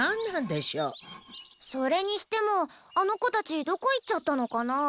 それにしてもあの子たちどこ行っちゃったのかなあ。